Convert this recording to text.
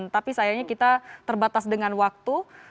tapi sayangnya kita terbatas dengan waktu